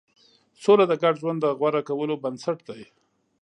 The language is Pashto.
سوله د ګډ ژوند د غوره کولو بنسټ دی.